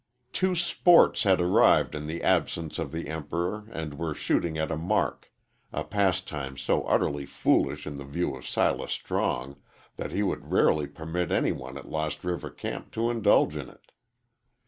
Two "sports" had arrived in the absence of the Emperor and were shooting at a mark a pastime so utterly foolish in the view of Silas Strong that he would rarely permit any one at Lost River camp to indulge in it.